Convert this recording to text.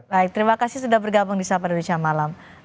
baik terima kasih sudah bergabung di sampai dari sampai malam